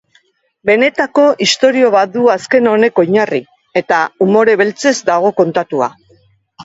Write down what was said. Benetako istorio bat du azken honek oinarri, eta umore beltzez dago kontatua.